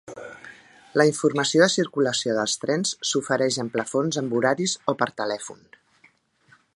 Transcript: La informació de circulació dels trens s'ofereix en plafons amb horaris o per telèfon.